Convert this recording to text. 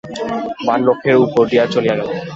বাণ লক্ষ্যের উপর দিয়া চলিয়া গেল।